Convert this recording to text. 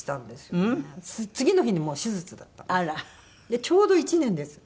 でちょうど１年です。